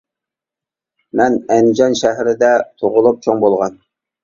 مەن ئەنجان شەھىرىدە تۇغۇلۇپ چوڭ بولغان.